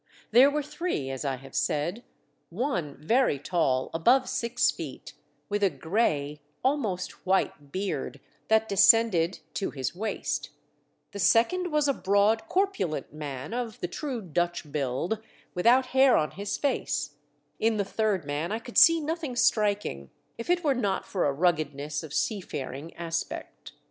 There M^ere three, as I have said : one 84 THE DEATH SHIP. very tall, above six feet, with a grey — almost white — beard, that descended to his waist ; the second was a broad, corpulent man, of the true Dutch build, without hair on his face; in the third man I could see nothing striking, if it were not for a ruggedness of seafaring aspect.